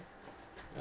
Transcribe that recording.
rồi chắc được rồi